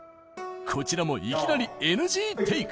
こちらもいきなりＮＧテイク